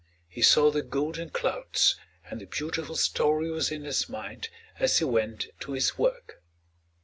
He saw the golden clouds, and the beautiful story was in his mind as he went to his work.